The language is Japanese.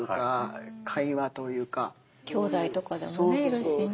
きょうだいとかでもねいるしね。